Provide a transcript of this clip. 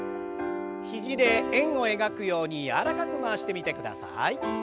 肘で円を描くように柔らかく回してみてください。